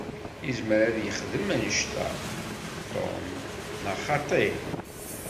Izmer ad yexdem annect-a Tom, neɣ xaṭi?